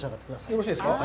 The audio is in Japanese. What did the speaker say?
よろしいですか？